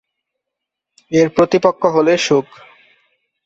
এর প্রতিপক্ষ হলে সুখ।